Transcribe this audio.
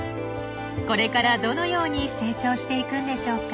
これからどのように成長していくんでしょうか。